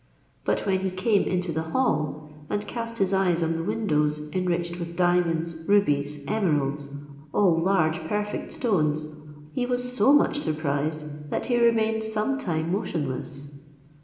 But when he came into the hall, and cast his eyes on the windows, enriched with diamonds, rubies, emeralds, all large perfect stones, he was so much surprised, that he remained some time motionless.